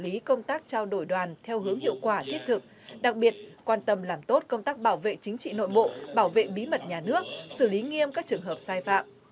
ý công tác trao đổi đoàn theo hướng hiệu quả thiết thực đặc biệt quan tâm làm tốt công tác bảo vệ chính trị nội bộ bảo vệ bí mật nhà nước xử lý nghiêm các trường hợp sai phạm